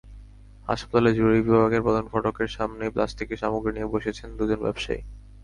হাসপাতালের জরুরি বিভাগের প্রধান ফটকের সামনেই প্লাস্টিকের সামগ্রী নিয়ে বসেছেন দুজন ব্যবসায়ী।